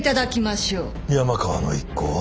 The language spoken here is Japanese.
山川の一行は？